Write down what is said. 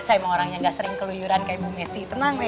saya mau orangnya gak sering keluyuran ke ibu messi